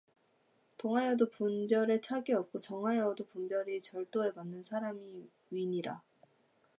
동하여도 분별에 착이 없고 정하여도 분별이 절도에 맞는 사람의 위니라.